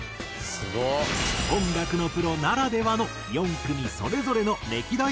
音楽のプロならではの４組それぞれの歴代